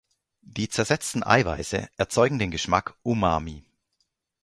Die zersetzten Eiweiße erzeugen den Geschmack Umami.